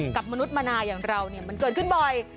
กับมนุษย์มะนาอย่างเรามันเกิดขึ้นบ่อย